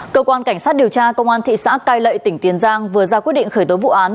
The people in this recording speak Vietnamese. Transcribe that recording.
cơ quan cảnh sát điều tra công an thị xã cai lệ tỉnh tiền giang vừa ra quyết định khởi tố vụ án